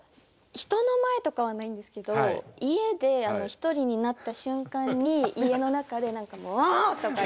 人の前とかはないんですけど家で一人になった瞬間に家の中で何か「もう！」とか言ったりは。